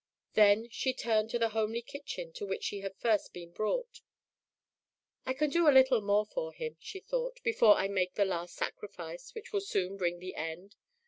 Then she turned to the homely kitchen to which she had first been brought. "I can do a little more for him," she thought, "before I make the last sacrifice which will soon bring the end.